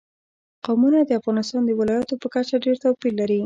قومونه د افغانستان د ولایاتو په کچه ډېر توپیر لري.